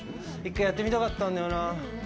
一回やってみたかったんだよな。